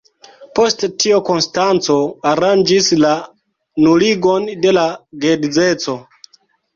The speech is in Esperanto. Post tio Konstanco aranĝis la nuligon de la geedzeco.